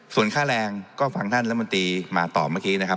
ส่วนค่าแรงก็ฟังท่านรัฐมนตรีมาตอบเมื่อกี้นะครับ